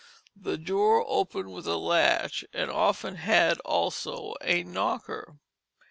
The door opened with a latch, and often had also a knocker.